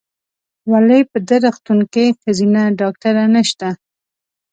ولې په دي روغتون کې ښځېنه ډاکټره نسته ؟